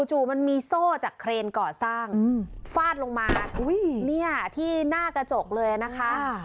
จู่มันมีโซ่จากเครนก่อสร้างฟาดลงมาเนี่ยที่หน้ากระจกเลยนะคะ